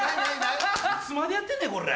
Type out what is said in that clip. いつまでやってんねんこれ！